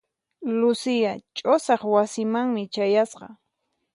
Lucia ch'usaq wasimanmi chayasqa.